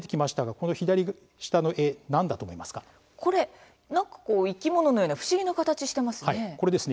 これ何かこう生き物のような不思議な形してますね。